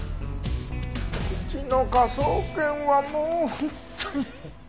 うちの科捜研はもう本当に。